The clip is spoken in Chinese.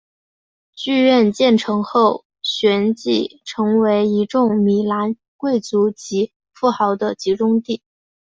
剧院建成后旋即成为一众米兰贵族及富豪的集中地。